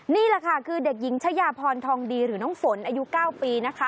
นี่คือเด็กหญิงชะยาพรทองดีหรือน้องฝนอายุ๙ปี